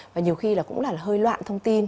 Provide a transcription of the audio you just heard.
và nhiều khi là cũng là hơi loạn thông tin